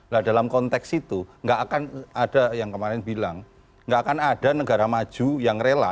nah dalam konteks itu nggak akan ada yang kemarin bilang nggak akan ada negara maju yang rela